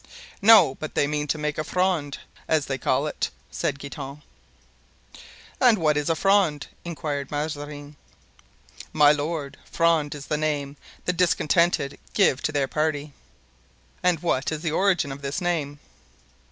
"No, but they mean to make a Fronde, as they call it," said Guitant. "And what is a Fronde?" inquired Mazarin. "My lord, Fronde is the name the discontented give to their party." "And what is the origin of this name?"